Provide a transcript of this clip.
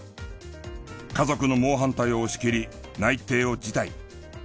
家族の猛反対を押し切り内定を辞退。